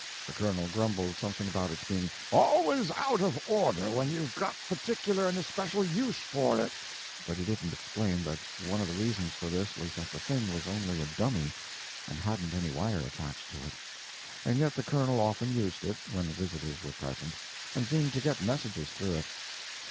The Colonel grumbled something about its being "always out of order when you've got particular and especial use for it," but he didn't explain that one of the reasons for this was that the thing was only a dummy and hadn't any wire attached to it. And yet the Colonel often used it—when visitors were present—and seemed to get messages through it.